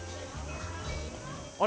あれ？